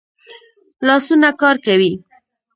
لاسونه کار کوي